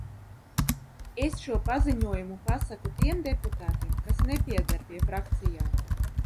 Es šo paziņojumu pasaku tiem deputātiem, kas nepieder pie frakcijām.